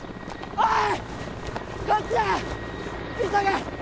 おい！